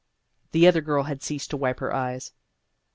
The other girl had ceased to wipe her eyes.